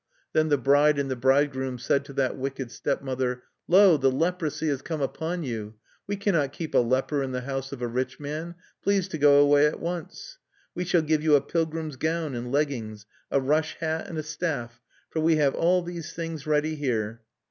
Then the bride and the bridegroom said to that wicked stepmother: "Lo! the leprosy has come upon you! "We cannot keep a leper in the house of a rich man. Please to go away at once! "We shall give you a pilgrim's gown and leggings, a rush hat, and a staff; for we have all these things ready here."